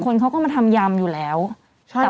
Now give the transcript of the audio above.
มะม่วงสุกก็มีเหมือนกันมะม่วงสุกก็มีเหมือนกัน